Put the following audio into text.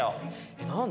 えっ何だ？